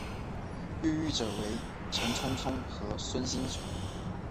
越狱者为陈聪聪和孙星辰。